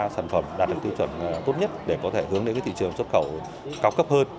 sản phẩm đạt được tiêu chuẩn tốt nhất để có thể hướng đến thị trường xuất khẩu cao cấp hơn